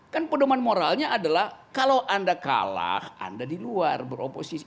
kan pedoman moralnya adalah kalau anda kalah anda di luar beroposisi